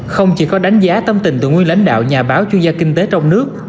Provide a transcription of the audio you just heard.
không chỉ có đánh giá tâm tình từ nguyên lãnh đạo nhà báo chuyên gia kinh tế trong nước